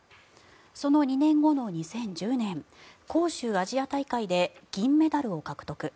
その２年後の２０１０年広州アジア大会で銀メダルを獲得。